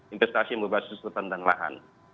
investasi berbasis hutan dan lahan